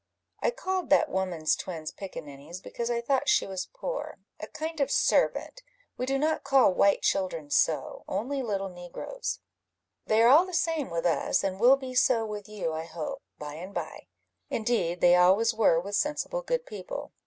"I called that woman's twins pickaninnies, because I thought she was poor a kind of servant; we do not call white children so only little negroes." "They are all the same with us, and will be so with you, I hope, by and by; indeed they always were with sensible good people.